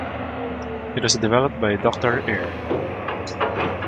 It was developed by Doctor Ir.